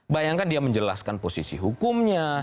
bayangkan dia menjelaskan posisi hukumnya